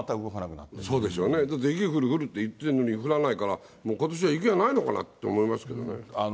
だって雪が降る、降るって言ってんのに降らないから、もうことしは雪がないのかなと思いますけどね。